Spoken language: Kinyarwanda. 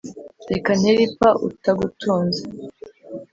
reka ntere ipfa utagutunze,